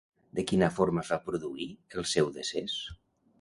De quina forma es va produir el seu decés?